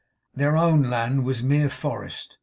Their own land was mere forest.